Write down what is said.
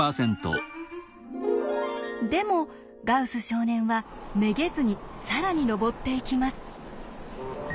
でもガウス少年はめげずに更に上っていきます。